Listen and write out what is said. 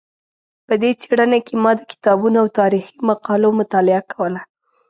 په دې څېړنه کې ما د کتابونو او تاریخي مقالو مطالعه کوله.